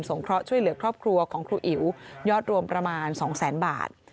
เคราะห์ช่วยเหลือครอบครัวของครูอิ๋วยอดรวมประมาณ๒แสนบาท